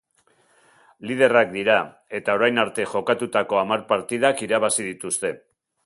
Liderrak dira eta orain arte jokatutako hamar partidak irabazi dituzte.